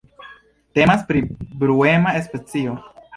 Temas pri bruema specio.